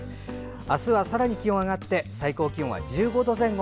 明日はさらに気温が上がって最高気温は１５度前後。